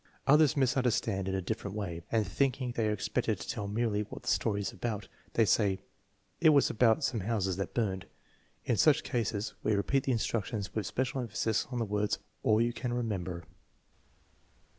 Others misunderstand in a different way, and thinking they are expected to tell merely what the story is about, they say: " It was about some houses that burned/ 5 In such cases we repeat the instructions with special emphasis on the words all you can remember.